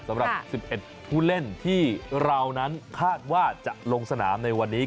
สำหรับ๑๑ผู้เล่นที่เรานั้นคาดว่าจะลงสนามในวันนี้